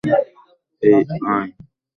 এই, আয়।